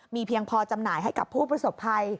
เพียงพอจำหน่ายให้กับผู้ประสบภัย